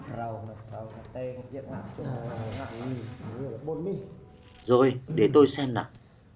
rồi để tôi xem nào